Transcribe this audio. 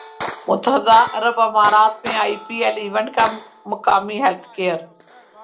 متحدہ عرب امارات میں آئی پی ایل ایونٹ کا مقامی ہیلتھ کیئر